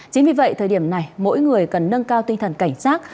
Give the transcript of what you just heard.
chính vì vậy thời điểm này mỗi người cần nâng cao tinh thần cảnh sát